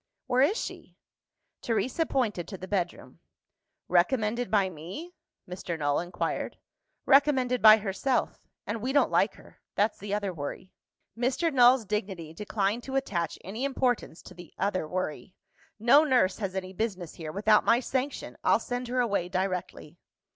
"Where is she?" Teresa pointed to the bedroom. "Recommended by me?" Mr. Null inquired. "Recommended by herself. And we don't like her. That's the other worry." Mr. Null's dignity declined to attach any importance to the "other worry." "No nurse has any business here, without my sanction! I'll send her away directly."